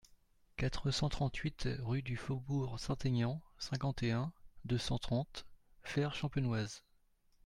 quatre cent trente-huit rue du Faubourg Saint-Aignan, cinquante et un, deux cent trente, Fère-Champenoise